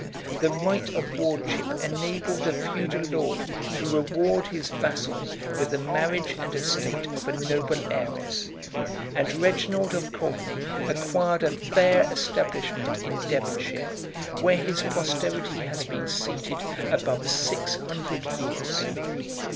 The right of wardship enabled a feudal lord to reward his vassal with the marriage and estate of a noble heiress; and Reginald of Courtenay acquired a fair establishment in Devonshire, where his posterity has been seated above six hundred years.